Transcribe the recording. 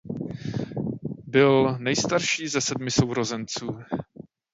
Byl nejstarší ze sedmi sourozenců.